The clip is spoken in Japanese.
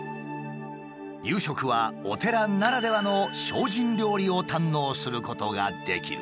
夕食はお寺ならではの精進料理を堪能することができる。